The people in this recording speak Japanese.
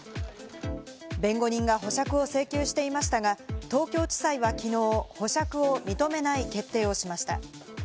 弁護人が保釈を請求していましたが、東京地裁はきのう、保釈を認めない決定をしました。